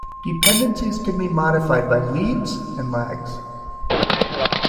Dependencies can be modified by leads, and lags.